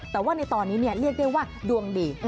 แต่ว่าในตอนนี้เรียกได้ว่าดวงดี